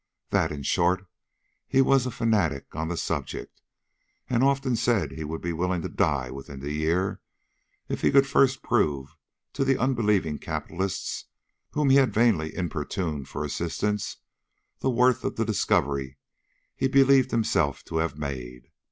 That, in short, he was a fanatic on the subject, and often said he would be willing to die within the year if he could first prove to the unbelieving capitalists whom he had vainly importuned for assistance, the worth of the discovery he believed himself to have made.